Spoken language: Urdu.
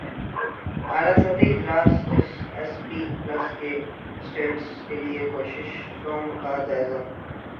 اعلی سطحی اجلاس جی ایس پی پلس کے اسٹیٹس کیلئے کوششوں کا جائزہ